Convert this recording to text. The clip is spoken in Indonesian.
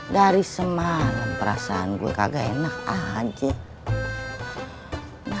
dari semangat perasaan gue kagak enak aja